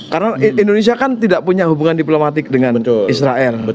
karena indonesia kan tidak punya hubungan diplomatik dengan israel